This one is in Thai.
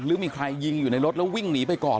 หรือมีใครยิงอยู่ในรถแล้ววิ่งหนีไปก่อน